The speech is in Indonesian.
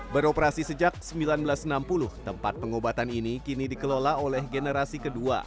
beroperasi sejak seribu sembilan ratus enam puluh tempat pengobatan ini kini dikelola oleh generasi kedua